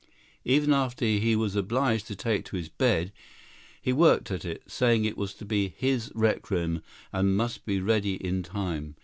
Even after he was obliged to take to his bed, he worked at it, saying it was to be his Requiem and must be ready in time.